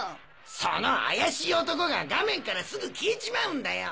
その怪しい男が画面からすぐ消えちまうんだよ！